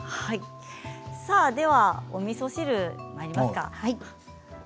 さあ、ではおみそ汁にまいりますか。